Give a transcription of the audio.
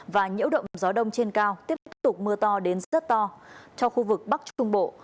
và nhiễu động gió đông trên cao tiếp tiếp tục mưa to đến rất to cho khu vực bắc trung bộ